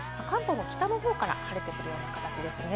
関東の北の方から晴れてくる形ですね。